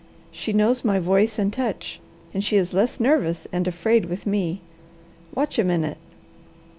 She knows my voice and touch, and she is less nervous and afraid with me. Watch a minute!"